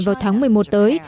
vào tháng một mươi một tới